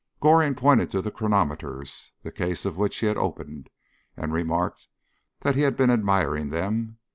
Goring pointed to the chronometers, the case of which he had opened, and remarked that he had been admiring them.